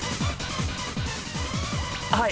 はい。